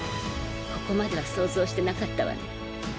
ここまでは想像してなかったわね。